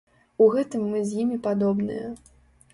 У гэтым мы з імі падобныя.